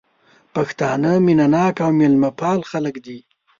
پښتانه مينه ناک او ميلمه پال خلک دي